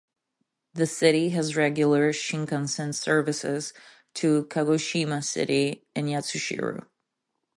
The city has regular Shinkansen services to Kagoshima City and Yatsushiro.